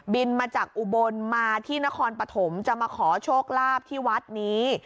บินมาจากอุบลมาที่นครปฐมจะมาขอโชคลาภที่วัดนี้